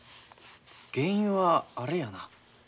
原因はあれやな。